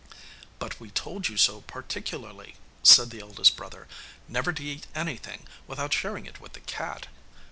'But we told you so particularly,' said the eldest brother, 'never to eat anything without sharing it with the cat.